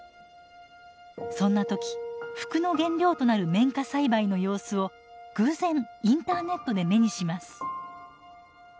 そんな時服の原料となる綿花栽培の様子を偶然インターネットで目にします。